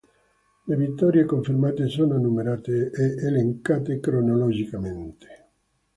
Le vittorie confermate sono numerate e elencate cronologicamente.